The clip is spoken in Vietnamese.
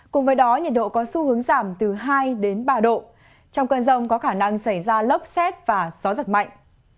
cùng với đó nhiệt độ có xu hướng giảm từ hai đến ba độ trong cơn rông có khả năng xảy ra lốc xét và gió giật mạnh